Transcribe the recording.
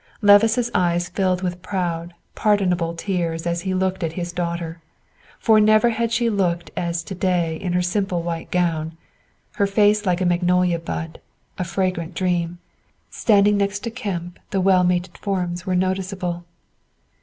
Levice's eyes filled with proud, pardonable tears as he looked at his daughter, for never had she looked as to day in her simple white gown, her face like a magnolia bud, a fragrant dream; standing next to Kemp, the well mated forms were noticeable.